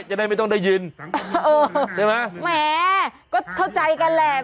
จะได้ไม่ต้องได้ยินเออใช่ไหมแหมก็เข้าใจกันแหละ